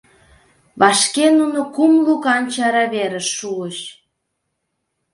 Вашке нуно кум лукан чараверыш шуыч.